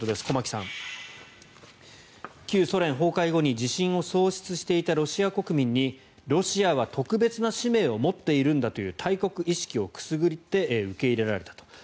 駒木さん、旧ソ連崩壊後に自信を喪失していたロシア国民にロシアは特別な使命を持っているんだという大国意識をくすぐって受け入れられたと。